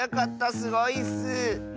すごいッス！